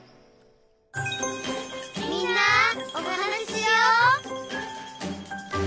「みんなおはなししよう」